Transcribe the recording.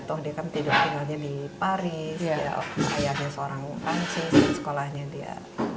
toh dia kan tinggalnya di paris ayahnya seorang prancis sekolahnya dia